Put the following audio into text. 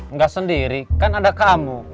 nggak sendiri kan ada kamu